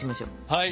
はい。